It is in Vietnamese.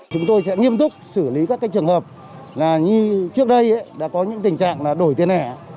chúng tôi sẽ nghiêm túc xử lý các trường hợp như trước đây đã có những tình trạng đổi tiền hẻ